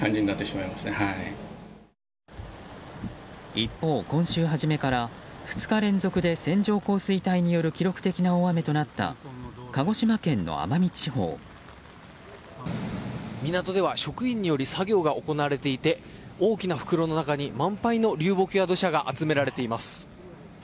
一方、今週初めから２日連続で線状降水帯による記録的な大雨となった港では職員による作業が行われていて大きな袋の中に万杯の流木や土砂が集められています。